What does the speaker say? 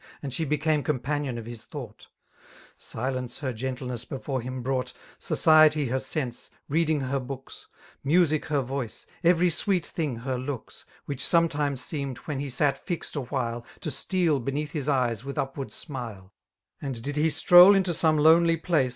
And «he. became companion of his thought; Silence her gentleness before him brought. Society her sense, reading her books. Music her votoe, every sweet thing her looks, Which sometimes seaoaed, when he sat fixed awhile. To. steal beneath his eyes with upward smile: And did he stroll into some lonely place.